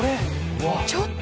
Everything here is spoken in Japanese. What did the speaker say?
ちょっと。